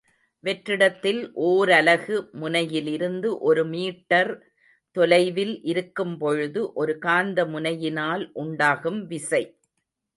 வெற்றிடத்தில் ஓரலகு முனையிலிருந்து ஒரு மீட்டர் தொலைவில் இருக்கும் பொழுது, ஒரு காந்த முனையினால் உண்டாகும் விசை.